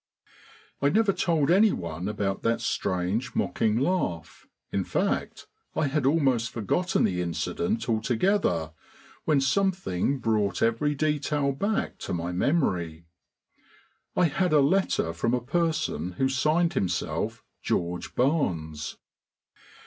I never told anyone about that strange, mocking laugh, in fact, I had almost forgotten the incident altogether when something brought every detail back to my memory. I had a letter from a person who signed himself "George Barnes."